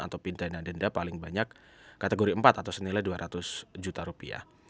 atau pidana denda paling banyak kategori empat atau senilai dua ratus juta rupiah